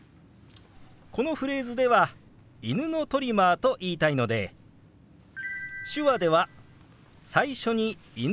このフレーズでは「犬のトリマー」と言いたいので手話では最初に「犬」をつけて表します。